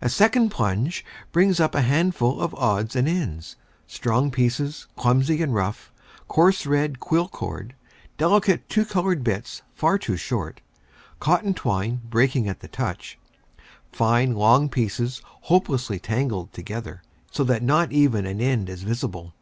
A second plunge brings up a handful of odds and ends, strong pieces clumsy and rough, coarse red quill cord, delicate two colored bits far too short, cotton twine breaking at a touch, fine long pieces hopelessly tangled together, so that not even an end is visible.